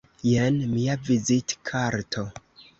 Jen mia vizitkarto.